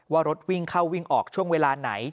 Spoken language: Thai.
ว่ารถวิ่งเข้าวิ่งออกช่วงเวลาไหน